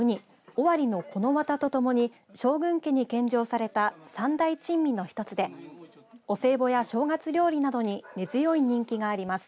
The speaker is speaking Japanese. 尾張のこのわたとともに将軍家に献上された三大珍味の１つでお歳暮や正月料理などに根強い人気があります。